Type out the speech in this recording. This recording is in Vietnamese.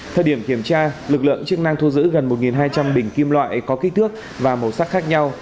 thời điểm kiểm tra lực lượng chức năng thu giữ gần một hai trăm linh bình kim loại có kích thước và màu sắc khác nhau